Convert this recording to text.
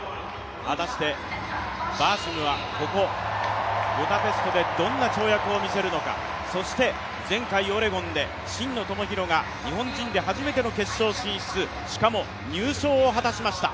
果たしてバーシムはここブダペストでどんな跳躍を見せるのかそして前回オレゴンで真野友博が日本人で初めての決勝進出、しかも入賞を果たしました。